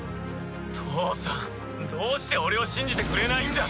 父さんどうして俺を信じてくれないんだ？